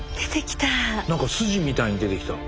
何か筋みたいに出てきた。